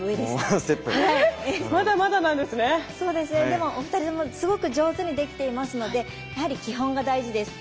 でもお二人ともすごく上手にできていますのでやはり基本が大事です。